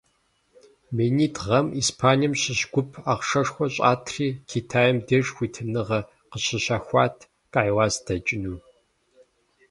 Минитӏ гъэм Испанием щыщ гуп ахъшэшхуэ щӀатри Китайм деж хуитыныгъэ къыщащэхуат Кайлас дэкӀыну.